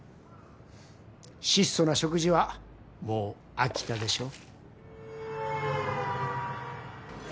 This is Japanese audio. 質素な食事はもう飽きたでしょ？